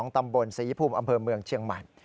ตำบลศรีภูมิอำเภอเมืองเชียงใหม่